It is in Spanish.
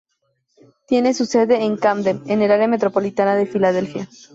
Tiene su sede en Camden, en la área metropolitana de Filadelfia.